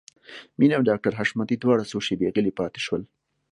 مينه او ډاکټر حشمتي دواړه څو شېبې غلي پاتې شول.